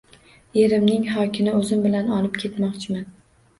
Erimning xokini o`zim bilan olib ketmoqchiman